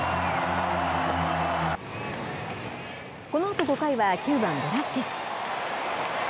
このあと５回は９番ベラスケス。